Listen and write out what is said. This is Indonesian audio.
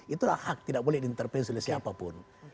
itu adalah hak tidak boleh diintervensi oleh siapapun